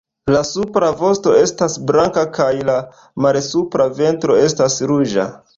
La supra vosto estas blanka kaj la malsupra ventro estas ruĝa.